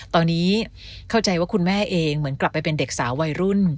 ตอนนี้เข้าใจว่าคุณแม่เองเหมือนกลับไปเป็นเด็กสาววัยรุ่น